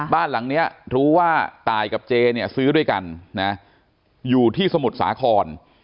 บ้านหลังนี้รู้ว่าตายกับเจเนี่ยซื้อด้วยกันนะอยู่ที่สมุทรสาคร